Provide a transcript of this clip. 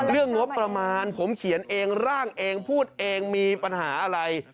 เรื่องงบประมาณผมเขียนเองร่างเองพูดเองมีปัญหาอะไร